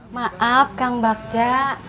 maaf kang bakja